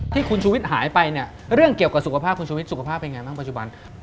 ที่คุณชูวิทย์หายไปเนี่ยเรื่องเกี่ยวกับสุขภาพคุณชุวิตสุขภาพเป็นไงบ้างปัจจุบัน